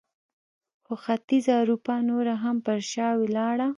خو ختیځه اروپا نوره هم پر شا ولاړه.